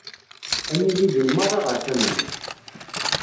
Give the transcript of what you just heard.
Ad nili din merra ɣer tama-m.